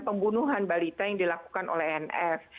pembunuhan balita yang dilakukan oleh nf